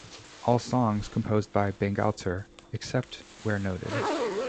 All songs composed by Bangalter except where noted.